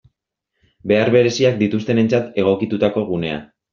Behar bereziak dituztenentzat egokitutako gunea.